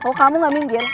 kalau kamu gak minggir